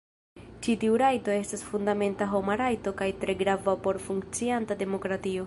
Ĉi tiu rajto estas fundamenta homa rajto kaj tre grava por funkcianta demokratio.